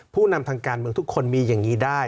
ผู้นำทางการเมืองทุกคนมีอย่างนี้ได้